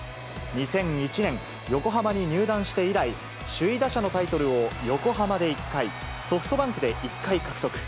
２００１年、横浜に入団して以来、首位打者のタイトルを横浜で１回、ソフトバンクで１回獲得。